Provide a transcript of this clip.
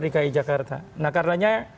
dki jakarta nah karenanya